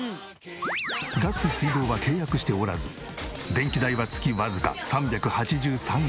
ガス水道は契約しておらず電気代は月わずか３８３円。